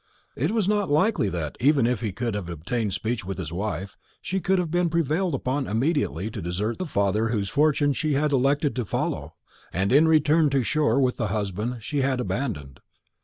It was not likely that, even if he could have obtained speech with his wife, she could have been prevailed upon immediately to desert the father whose fortunes she had elected to follow, and return to shore with the husband she had abandoned.